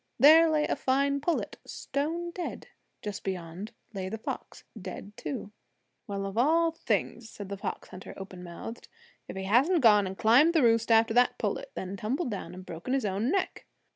There lay a fine pullet stone dead; just beyond lay the fox, dead too. "Well, of all things," said the fox hunter, open mouthed, "if he hasn't gone and climbed the roost after that pullet, and then tumbled down and broken his own neck!"